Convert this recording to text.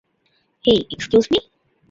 Hey, excuse me!